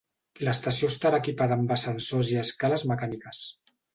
L'estació estarà equipada amb ascensors i escales mecàniques.